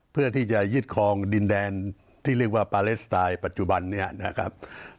เพื่อที่จะยึดคลองดินแดนที่เรียกว่าปาเลสไตล์ปัจจุบันนี้นะครับ